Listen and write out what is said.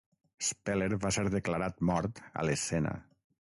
Speller va ser declarat mort a l'escena.